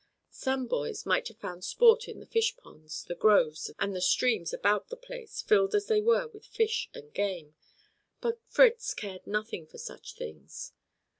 Some boys might have found sport in the fish ponds, the groves and the streams about the place, filled as they were with fish and game, but Fritz cared nothing for such things.